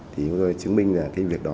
thì chúng tôi chứng minh là cái việc đó